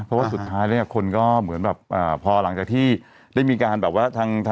เพราะว่าสุดท้ายแล้วเนี่ยคนก็เหมือนแบบพอหลังจากที่ได้มีการแบบว่า